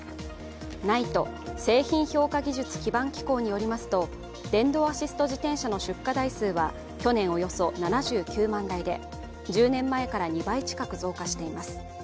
ＮＩＴＥ＝製品評価技術基盤機構によりますと、電動アシスト自転車の出荷台数は去年、およそ７９万台で１０年前から２倍近く増加しています。